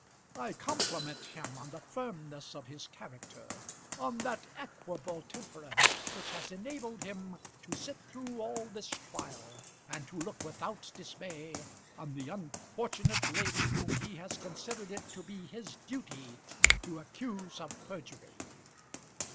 I compliment him on the firmness of his character, on that equable temperament which has enabled him to sit through all this trial, and to look without dismay on the unfortunate lady whom he has considered it to be his duty to accuse of perjury.